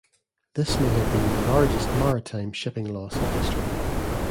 This may have been the largest maritime shipping loss in history.